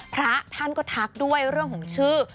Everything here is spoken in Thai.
พระท่านก็ทักด้วยเรื่องของชื่อ